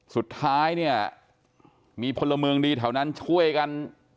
สุดท้ายเนี่ยมีพลเมืองดีแถวนั้นช่วยกัน